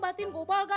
berarti jangan ada